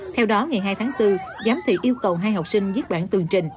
theo đó ngày hai tháng bốn giám thị yêu cầu hai học sinh viết bản tường trình